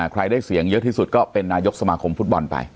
ใครได้เสียงเยอะที่สุดก็เป็นนายกสมาคมฟุตบอลไป